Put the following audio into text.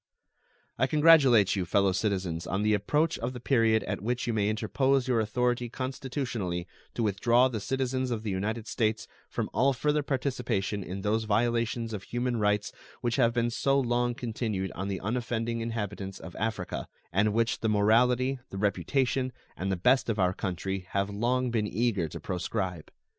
I congratulate you, fellow citizens, on the approach of the period at which you may interpose your authority constitutionally to withdraw the citizens of the United States from all further participation in those violations of human rights which have been so long continued on the unoffending inhabitants of Africa, and which the morality, the reputation, and the best of our country have long been eager to proscribe.